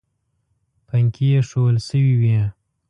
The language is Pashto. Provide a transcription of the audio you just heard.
پنکې ایښوول شوې وې.